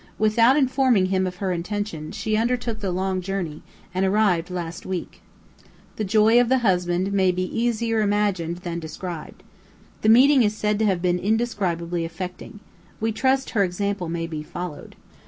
Without informing him of her intention, she undertook the long journey, and arrived last week. The joy of the husband may be easier imagined than described. The meeting is said to have been indescribably affecting. We trust her example may be followed."